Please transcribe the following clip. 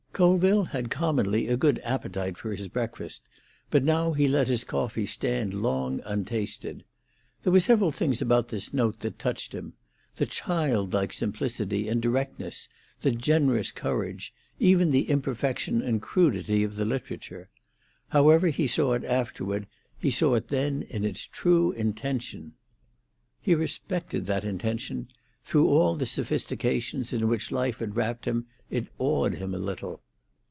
Colville had commonly a good appetite for his breakfast, but now he let his coffee stand long un tasted. There were several things about this note that touched him—the childlike simplicity and directness, the generous courage, even the imperfection and crudity of the literature. However he saw it afterward, he saw it then in its true intention. He respected that intention; through all the sophistications in which life had wrapped him, it awed him a little.